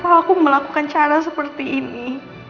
mereka kenapa aku melakukan cara seperti ini